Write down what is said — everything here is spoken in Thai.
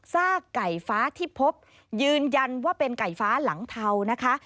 ไก่ฟ้าที่พบยืนยันว่าเป็นไก่ฟ้าหลังเทานะคะ